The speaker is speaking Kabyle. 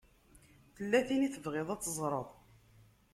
Tella tin i tebɣiḍ ad teẓṛeḍ?